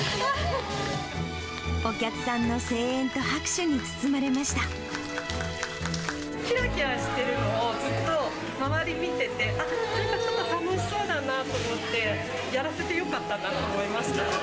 お客さんの声援と拍手に包まきらきらしてるのを、ずっと周り見てて、なんかちょっと楽しそうだなと思って、やらせてよか